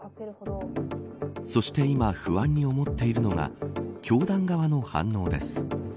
そして今不安に思っているのが教団側の反応です。